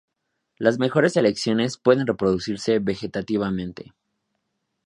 Las mejores selecciones pueden reproducirse vegetativamente.